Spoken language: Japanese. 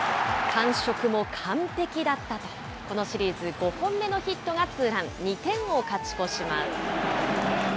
感触も完璧だったと、このシリーズ５本目のヒットがツーラン、２点を勝ち越します。